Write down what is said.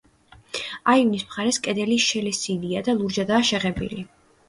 აივნის მხარეს, კედელი შელესილია და ლურჯადაა შეღებილი.